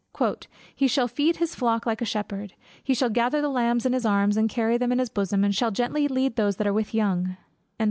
"He shall feed his flock like a shepherd; he shall gather the lambs in his arm, and carry them in his bosom, and shall gently lead those that are with young."